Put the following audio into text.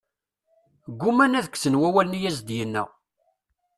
Ggumaan ad kksen wawalen i as-d-yenna.